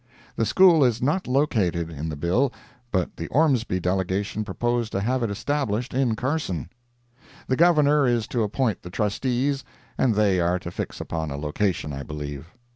The school is not located, in the bill, but the Ormsby delegation propose to have it established in Carson. The Governor is to appoint the trustees, and they are to fix upon a location, I believe.